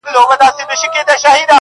او یا د معادنو لوټونکي